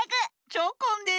チョコンです。